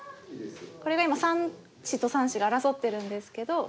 これが今３子と３子が争ってるんですけど。